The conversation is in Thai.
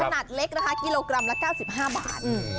ขนาดเล็กนะคะกิโลกรัมละ๙๕บาท